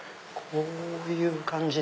こういう感じで。